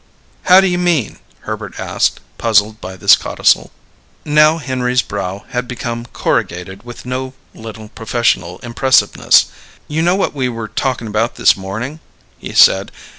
"How do you mean?" Herbert asked, puzzled by this codicil. Now Henry's brow had become corrugated with no little professional impressiveness. "You know what we were talkin' about this morning?" he said.